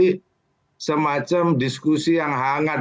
jadi semacam diskusi yang hangat